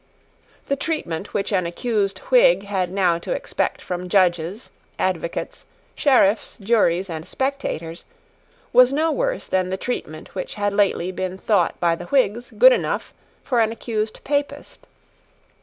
The treatment which an accused Whig had now to expect from judges, advocates, sheriffs, juries and spectators, was no worse than the treatment which had lately been thought by the Whigs good enough for an accused Papist.